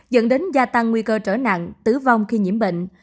dẫn đến gia tăng nguy cơ trở nặng tử vong khi nhiễm bệnh